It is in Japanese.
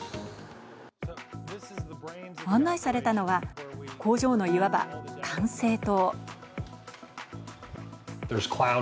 案内されたのは、工場のいわば管制塔。